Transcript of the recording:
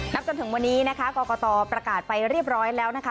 จนถึงวันนี้นะคะกรกตประกาศไปเรียบร้อยแล้วนะคะ